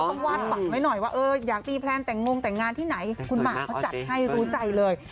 วาดฝันไว้หน่อยว่าเอออยากตีแพลนแต่งงแต่งงานที่ไหนคุณหมากเขาจัดให้รู้ใจเลย